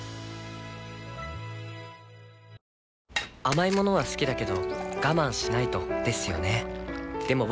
甘い物は好きだけど我慢しないとですよね